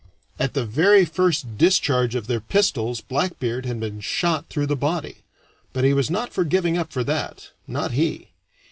At the very first discharge of their pistols Blackbeard had been shot through the body, but he was not for giving up for that not he.